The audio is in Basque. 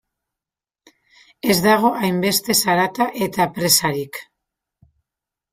Ez dago hainbeste zarata eta presarik.